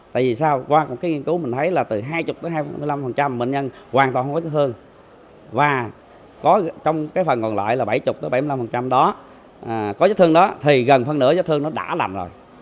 tại vì sao qua một cái nghiên cứu mình thấy là từ hai mươi hai mươi năm bệnh nhân hoàn toàn không có vết thương và có trong cái phần còn lại là bảy mươi bảy mươi năm đó có vết thương đó thì gần phần nửa vết thương nó đã lầm rồi